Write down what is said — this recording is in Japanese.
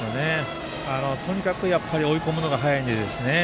とにかく追い込むのが早いですね。